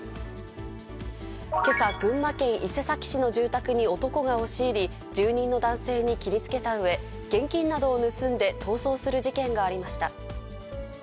けさ、群馬県伊勢崎市の住宅に男が押し入り、住人の男性に切りつけたうえ、現金などを盗んで逃走する事件がありました。